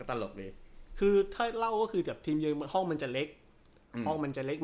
ถ้าเล่าก็คือทีมเยือนห้องมันจะเล็ก